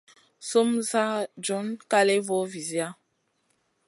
Sumu sa john kaléya vo vizia.